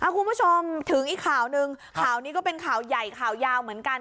คุณผู้ชมถึงอีกข่าวหนึ่งข่าวนี้ก็เป็นข่าวใหญ่ข่าวยาวเหมือนกัน